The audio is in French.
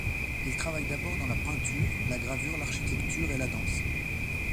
Il travaille d'abord dans la peinture, la gravure, l'architecture et la danse.